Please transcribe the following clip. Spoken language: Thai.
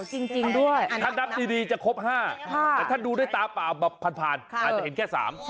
จริงด้วยอันนั้นครับถ้าดูด้วยตาผ่านอาจจะเห็นแค่๓